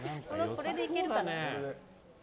これでいけるかな。